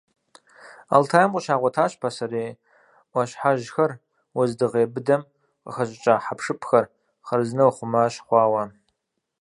Алтайм къыщагъуэтащ пасэрей Ӏуащхьэжьхэр, уэздыгъей быдэм къыхэщӀыкӀа хьэпшыпхэр хъарзынэу хъума щыхъуауэ.